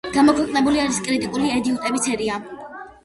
გამოქვეყნებული აქვს კრიტიკული ეტიუდების სერია.